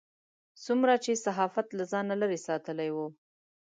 څومره چې صحافت له ځانه لرې ساتلی و.